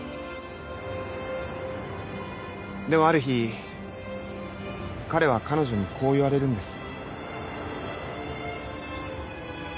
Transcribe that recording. でもある日彼は彼女にこう言われるんです。